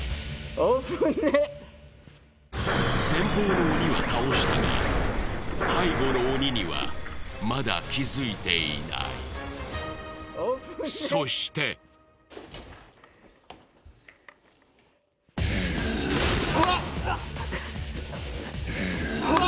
前方の鬼は倒したが背後の鬼にはまだ気づいていないそしてうわっ！